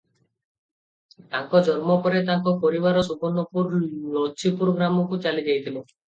ତାଙ୍କ ଜନ୍ମ ପରେ ତାଙ୍କ ପରିବାର ସୁବର୍ଣ୍ଣପୁରର ଲଛିପୁର ଗ୍ରାମକୁ ଚାଲିଯାଇଥିଲେ ।